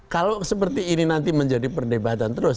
kalau seperti ini nanti menjadi perdebatan terus